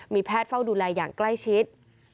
แพทย์เฝ้าดูแลอย่างใกล้ชิด